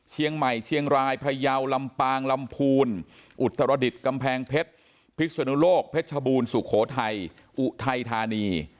เชียงใหม่เชียงรายพยาวลำปางลำพูนอุตรดิษฐ์กำแพงเพชรพิศนุโลกเพชรชบูรณ์สุโขทัยอุทัยธานี